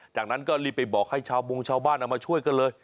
จากนั้นก็รีบไปบอกให้ชาวบงชาวบ้านเอามาช่วยกันเลย